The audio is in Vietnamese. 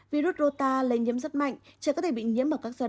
virus rô ta lây nhiễm rất mạnh trẻ có thể bị nhiễm vào các giai đoạn